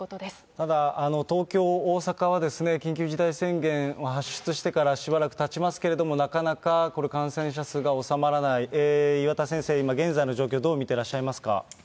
ただ、東京、大阪は、緊急事態宣言発出してからしばらくたちますけれども、なかなか感染者数が収まらない、岩田先生、今現在の状況、どう見てらっしゃいますか。